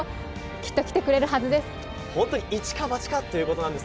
きっと来てくれるはずです。